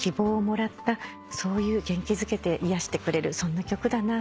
そういう元気づけて癒やしてくれるそんな曲だな。